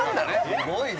すごいね。